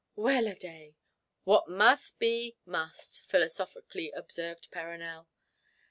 "Well a day! What must be must!" philosophically observed Perronel.